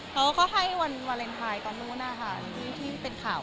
เขาก็ให้วันวาเลนไทยตอนนู้นนะคะที่เป็นข่าว